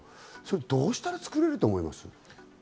どうしたらつくれると思います？